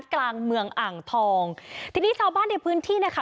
กลางเมืองอ่างทองทีนี้ชาวบ้านในพื้นที่นะคะ